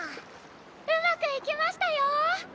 うまくいきましたよ！